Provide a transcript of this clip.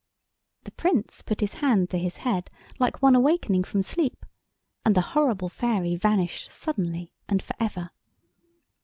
The Prince put his hand to his head like one awakening from sleep, and the horrible fairy vanished suddenly and for ever.